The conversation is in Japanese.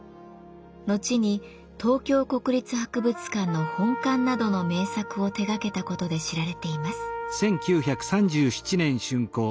後に東京国立博物館の本館などの名作を手がけたことで知られています。